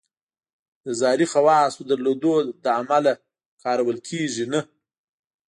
د زهري خواصو درلودلو له امله کارول کېږي نه.